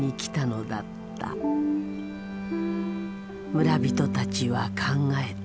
村人たちは考えた。